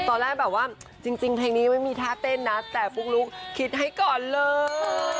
ตอนแรกแบบว่าจริงเพลงนี้ไม่มีท่าเต้นนะแต่ปุ๊กลุ๊กคิดให้ก่อนเลย